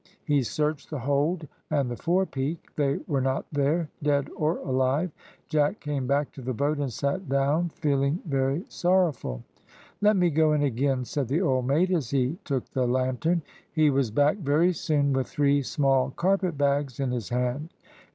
He searched the hold and the fore peak. They were not there, dead or alive. Jack came back to the boat and sat down, feeling very sorrowful. "Let me go in again," said the old mate, as he took the lantern. He was back very soon with three small carpet bags in his hand.